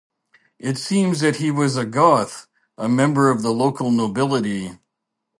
It seems that he was a Goth, a member of the local nobility.